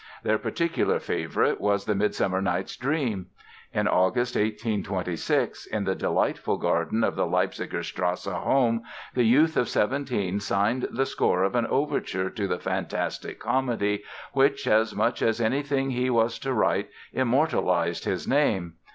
Their particular favorite was the "Midsummer Night's Dream". In August 1826, in the delightful garden of the Leipziger Strasse home the youth of seventeen signed the score of an Overture to the fantastic comedy which, as much as anything he was to write, immortalized his name.